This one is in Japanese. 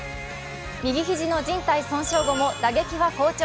右肘のじん帯損傷後も打撃は好調。